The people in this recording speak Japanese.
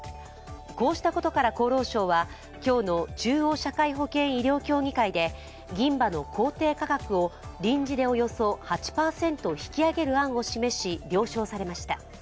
こうしたことから厚労省は今日の中央社会保険医療協議会で銀歯の公定価格を臨時でおよそ８％引き上げる案を示し、了承されました。